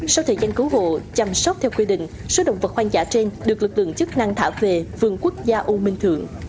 sau thời gian cứu hộ chăm sóc theo quy định số động vật hoang dã trên được lực lượng chức năng thả về vườn quốc gia u minh thượng